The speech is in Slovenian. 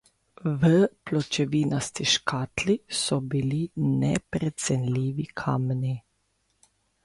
V pločevinasti škatli so bili neprecenljivi kamni.